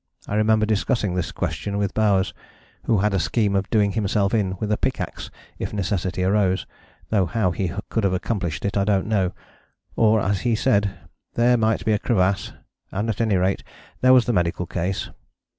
I remember discussing this question with Bowers, who had a scheme of doing himself in with a pick axe if necessity arose, though how he could have accomplished it I don't know: or, as he said, there might be a crevasse and at any rate there was the medical case.